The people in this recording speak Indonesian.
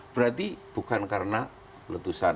berarti bukan karena letusan